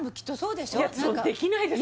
できないです